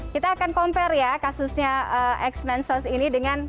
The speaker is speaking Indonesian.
kita akan compare kasusnya x men sauce ini dengan